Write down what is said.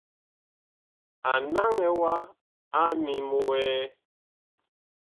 A naŋɛ wa a ŋmim wɛɛ.